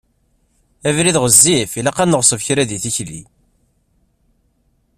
Abrid ɣezzif, ilaq ad neɣṣeb kra deg tikli.